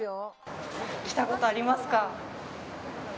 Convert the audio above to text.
来たことありますか？